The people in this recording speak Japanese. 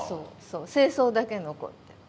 そう精巣だけ残ってる。